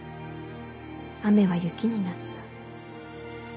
雨は雪になった。